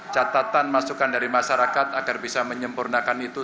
catatan masukan dari masyarakat agar bisa menyempurnakan itu